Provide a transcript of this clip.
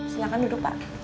silahkan duduk pak